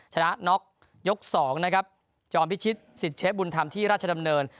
ชนะน็อกยก๒นะครับจอมพิชิตสิทธิเชฟบุญธรรมที่ราชดำเนิน